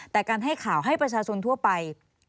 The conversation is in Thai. แต่การให้ข่าวให้ประชาชนทั่วไป